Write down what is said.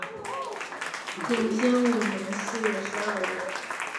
景兴五年四月十二日。